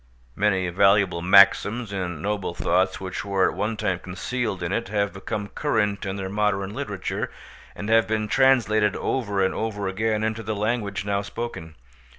Many valuable maxims and noble thoughts which were at one time concealed in it have become current in their modern literature, and have been translated over and over again into the language now spoken.